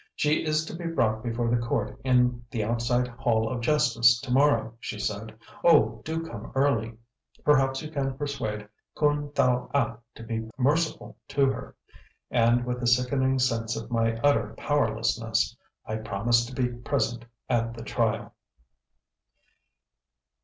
"She is to be brought before the court in the outside hall of justice to morrow," she said. "Oh! do come early. Perhaps you can persuade Koon Thow App to be merciful to her." And, with a sickening sense of my utter powerlessness, I promised to be present at the trial.